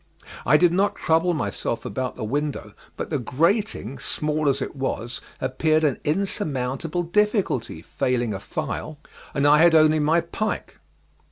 I did not trouble myself about the window, but the grating, small as it was, appeared an insurmountable difficulty, failing a file, and I had only my pike.